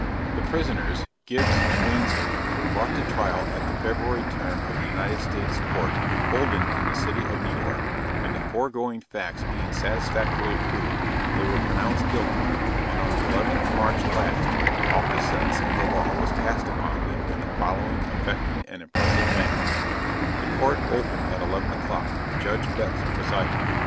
_] The prisoners, (Gibbs and Wansley,) were brought to trial at the February term of the United States Court, holden in the city of New York; when the foregoing facts being satisfactorily proved, they were pronounced guilty, and on the 11th March last, the awful sentence of the law was passed upon them in the following affecting and impressive manner: The Court opened at 11 o'clock, Judge Betts presiding.